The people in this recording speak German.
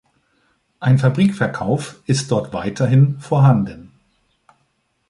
Ein Fabrikverkauf ist dort weiterhin vorhanden.